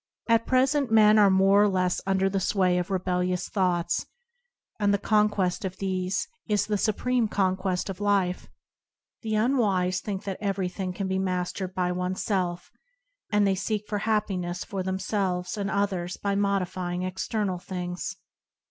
At present men are more or less under the sway of rebellious thoughts, and the conquest of these is the supreme conquest of life. The unwise think that everything [49 ] 99an: &mg of Si^mD can be mastered but oneself, and they seek for happiness for themselves and others by modifying external things.